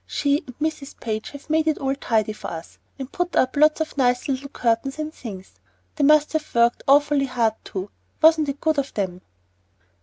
She and Mrs. Page have made it all tidy for us, and put up lots of nice little curtains and things. They must have worked awfully hard, too. Wasn't it good of them?"